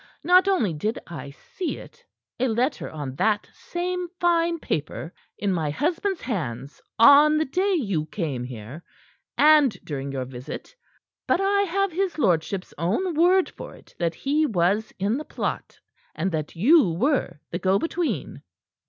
Not only did I see it a letter on that same fine paper in my husband's hands on the day you came here and during your visit, but I have his lordship's own word for it that he was in the plot and that you were the go between."